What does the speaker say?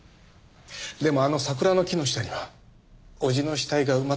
でもあの桜の木の下には叔父の死体が埋まってるんです。